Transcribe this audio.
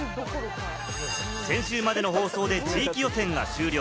先週末の放送で地域予選が終了。